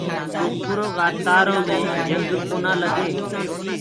ڪوپرو ڪآ تآرو مي جنگ ڪونآ لگي۔